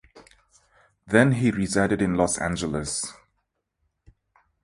Then he resided in Los Angeles.